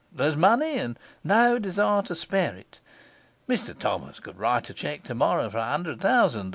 There's money, and no desire to spare it. Mr Thomas could write a cheque tomorrow for a hundred thousand.